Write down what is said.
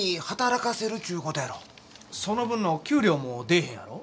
その分の給料も出えへんやろ？